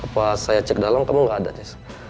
pas saya cek dalem kamu gak ada jess